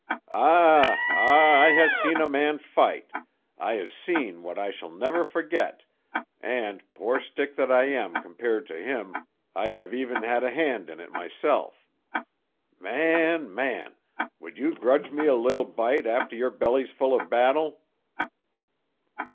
"Ah, ah! I ha' seen a man fight; I ha' seen what I shall never forget, and, poor stick that I am compared to him, I ha' e'en had a hand in it myself. Man, man! Would you grudge me a little bite after your belly's full of battle?"